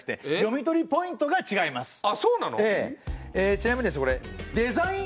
ちなみにですね